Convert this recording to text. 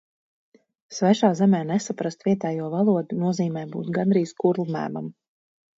Svešā zemē nesaprast vietējo valodu nozīmē būt gandrīz kurlmēmam.